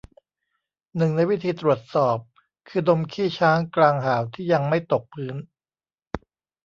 หนึ่งในวิธีตรวจสอบ คือดมขี้ช้างกลางหาว ที่ยังไม่ตกพื้น